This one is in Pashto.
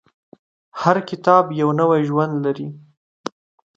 هر کتاب یو نوی ژوند لري.